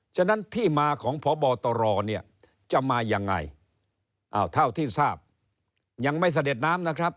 ฉะนั้นที่มาของพบตรเนี่ยจะมายังไงอ้าวเท่าที่ทราบยังไม่เสด็จน้ำนะครับ